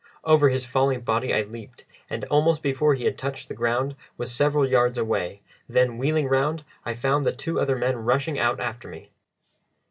Over his falling body I leaped, and almost before he had touched the ground was several yards away, then, wheeling round, I found the other two men rushing out after me.